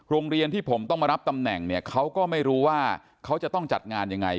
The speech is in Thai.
โรงเรียนที่ผมต้องมารับตำแหน่งเนี่ยเขาก็ไม่รู้ว่าเขาจะต้องจัดงานยังไง